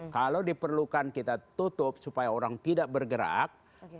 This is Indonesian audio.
kalau diperlukan kita tutup supaya orang tidak bergerak